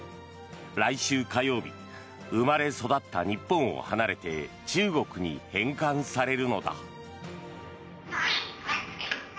来週火曜日生まれ育った日本を離れて中国に返還されるのだ。